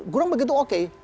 kurang begitu oke